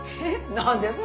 何ですの？